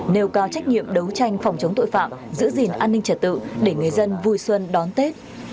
nêu cao trách nhiệm đấu tranh phòng chống tội phạm giữ gìn an ninh trật tự để người dân vui xuân đón tết